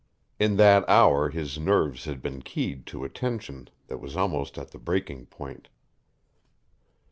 In that hour his nerves had been keyed to a tension that was almost at the breaking point.